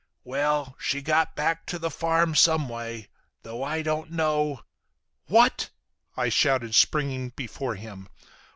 Well, she got back to the farm some way, though I don't know—" "What!" I shouted, springing before him.